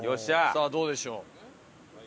さあどうでしょう？